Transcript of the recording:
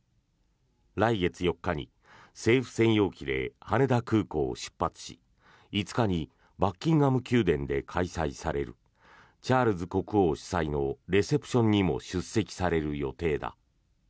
来月４日に政府専用機で羽田空港を出発し５日にバッキンガム宮殿で開催されるチャールズ国王主催のレセプションにも出席される予定だ。